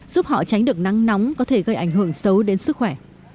giúp họ tránh được nắng nóng có thể gây ảnh hưởng xấu đến sức khỏe